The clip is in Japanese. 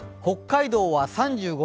北海道は３５ｍ。